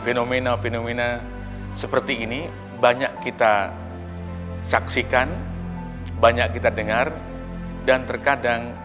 fenomena fenomena seperti ini banyak kita saksikan banyak kita dengar dan terkadang